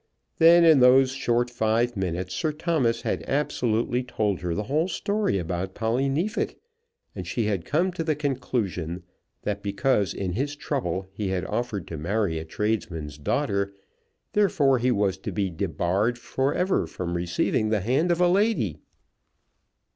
Then in those short five minutes Sir Thomas had absolutely told her the whole story about Polly Neefit, and she had come to the conclusion that because in his trouble he had offered to marry a tradesman's daughter, therefore he was to be debarred from ever receiving the hand of a lady!